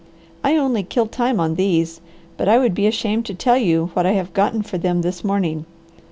I only kill time on these, but I would be ashamed to tell you what I have gotten for them this morning."